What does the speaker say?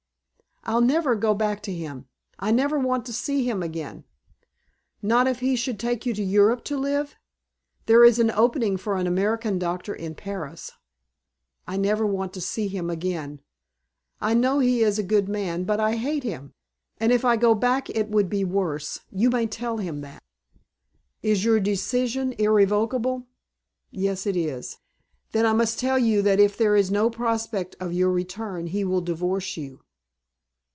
"I'll never go back to him. I never want to see him again." "Not if he would take you to Europe to live? There is an opening for an American doctor in Paris." "I never want to see him again. I know he is a good man but I hate him. And if I did go back it would be worse. You may tell him that." "Is your decision irrevocable?" "Yes, it is." "Then I must tell you that if there is no prospect of your return he will divorce you."